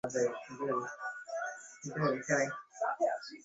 এটা প্রথম হাঁসটির চাচা।